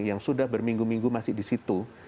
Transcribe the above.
yang sudah berminggu minggu masih di situ